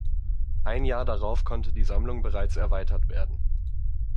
Ein Jahr darauf konnte die Sammlung bereits erweitert werden.